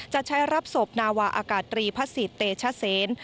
จะใช้รับสบนาวะอกากตรีพศิษฐ์เตชเซน